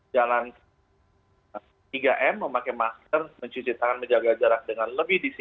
jangan tiga m memakai masker mencici tangan menjaga jarak dengan baik